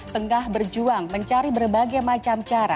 tengah berjuang mencari berbagai macam cara